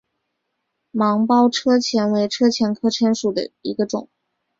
芒苞车前为车前科车前属下的一个种。